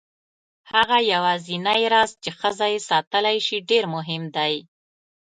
هغه یوازینی راز چې ښځه یې ساتلی شي ډېر مهم دی.